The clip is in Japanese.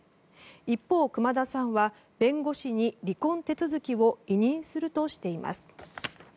一方、熊田さんは弁護士に離婚手続きを委任するとしています。